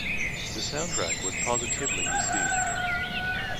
The soundtrack was positively received.